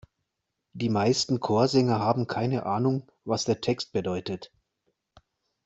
Die meisten Chorsänger haben keine Ahnung, was der Text bedeutet.